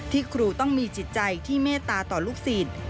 ครูต้องมีจิตใจที่เมตตาต่อลูกศิษย์